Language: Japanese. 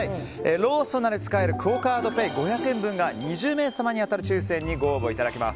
ローソンなどで使えるクオ・カードペイ５００円分が２０名様に当たる抽選にご応募いただけます。